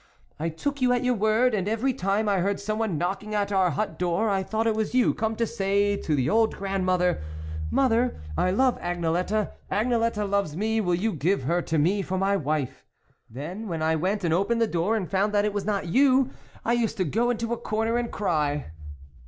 " I took you at your word, and every time I heard someone knocking at our hut door, I thought it was you come to say to the old grand mother, " Mother, I love Agnelette, Agnel ette loves me ; will you give her to me for my wife ?"" Then when I went and opened the door, and found that it was not you, I used to go into a corner and cry."